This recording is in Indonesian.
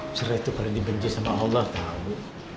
eh cerai itu pada dibenci sama allah tau